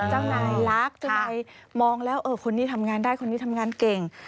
เจ้านายรักเจ้านายมองแล้วคนนี้ทำงานได้คนนี้ทำงานเก่ง